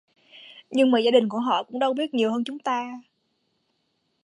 Nhưng mà gia đình của họ cũng đâu biết nhiều hơn chúng ta